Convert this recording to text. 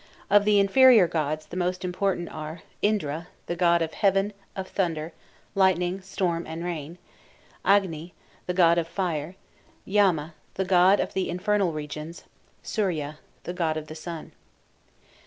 Of the inferior gods the most important are: 1. Indra, the god of heaven, of thunder, lightning, storm, and rain; 2. Agni, the god of fire; 3. Yama, the god of the infernal regions; 4. Surya, the god of the sun.